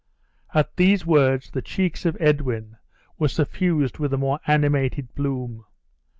At these words the cheeks of Edwin were suffused with a more animated bloom.